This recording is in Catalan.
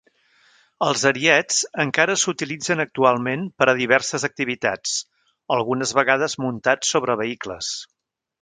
Els ariets encara s'utilitzen actualment per a diverses activitats, algunes vegades muntats sobre vehicles.